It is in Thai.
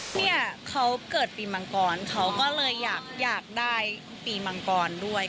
เนี่ยเขาเกิดปีมังกรเขาก็เลยอยากได้ปีมังกรด้วย